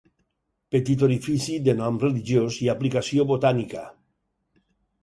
Petit orifici de nom religiós i aplicació botànica.